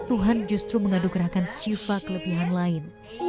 tuhan justru mengadu gerakan syifa kelebihan lain